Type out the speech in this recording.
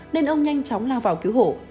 nên ông nhanh chóng lao vào cứu hộ